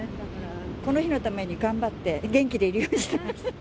この日のために頑張って、元気でいるようにしてました。